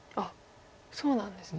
そうなんですね。